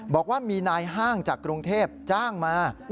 บอกว่ามีนายห้างจากกรุงเทพจ้างมา